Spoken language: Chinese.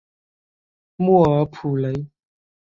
莫尔普雷。